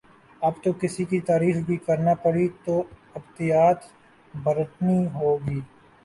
اب تو کسی کی تعریف بھی کرنا پڑی تو احتیاط برتنی ہو گی